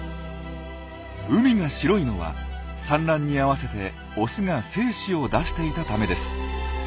海が白いのは産卵に合わせてオスが精子を出していたためです。